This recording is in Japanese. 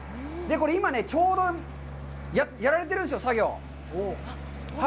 これ今ね、ちょうどやられてるんですよ、作業を。